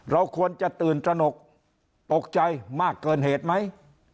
เราควรจะตื่นตระหนกตกใจมากเกินเหตุไหม